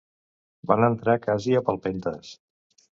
Van entrar casi a les palpentes